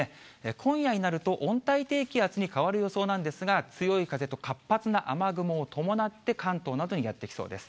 今夜になると温帯低気圧に変わる予想なんですが、強い風と活発な雨雲を伴って、関東などにやって来そうです。